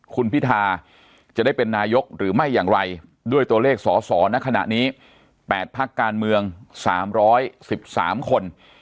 คุณพิธาจะได้เป็นนายกหรือไม่อย่างไรด้วยตัวเลขสอสอในขณะนี้๘พักการเมือง๓๑๓คน